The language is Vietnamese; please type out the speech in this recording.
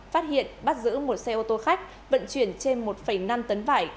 phát hiện bắt giữ một xe ô tô khách vận chuyển trên một năm tấn vải